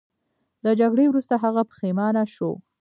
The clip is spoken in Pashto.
د جګړې وروسته هغه پښیمانه شو.